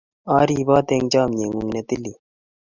A ribot eng chamnyegung netilil